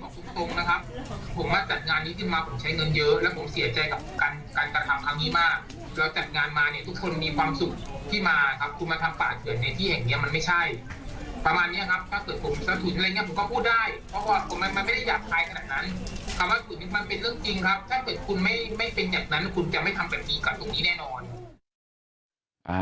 ถ้าคุณไม่เป็นอย่างนั้นคุณจะไม่ทำแบบนี้กันตรงนี้แน่นอน